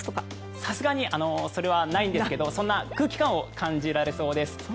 さすがにそれはないんですけどそんな空気感を感じられそうです。